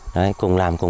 đấy cùng làm cùng